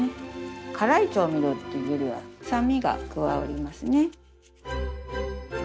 辛い調味料っていうよりは酸味が加わりますね。